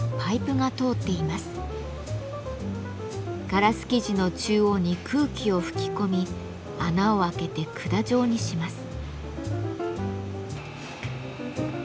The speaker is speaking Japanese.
ガラス素地の中央に空気を吹き込み穴を開けて管状にします。